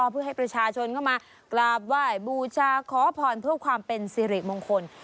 เพื่อให้ประชาชนเข้ามากราบไหว้บูชาขอพรเพื่อความเป็นสิริมงคล